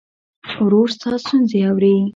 ورور ستا ستونزې اوري.